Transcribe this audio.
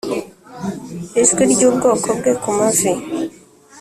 ijwi ry'ubwoko bwe ku mavi